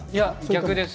逆です。